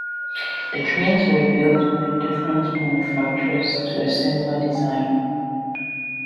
The trains were built by different manufacturers to a similar design.